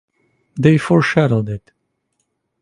They foreshadowed it.